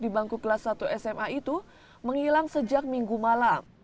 di bangku kelas satu sma itu menghilang sejak minggu malam